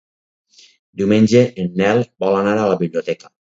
Diumenge en Nel vol anar a la biblioteca.